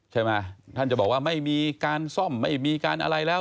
ใช่ไหมท่านจะบอกว่าไม่มีการซ่อมไม่มีการอะไรแล้ว